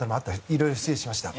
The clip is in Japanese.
いろいろ失礼しました。